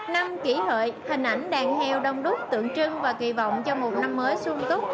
năm kỷ hợi hình ảnh đàn heo đông đúc tượng trưng và kỳ vọng cho một năm mới sung túc